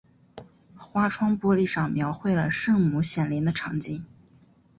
花窗玻璃上描绘了圣母显灵的场景。